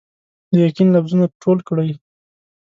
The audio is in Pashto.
د یقین لفظونه ټول کړئ